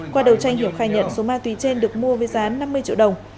qua đầu tranh hiểu khai nhận số ma túy trên được mua với giá năm mươi triệu đồng